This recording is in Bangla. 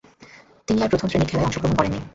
তিনি আর প্রথম-শ্রেণীর খেলায় অংশগ্রহণ করেননি।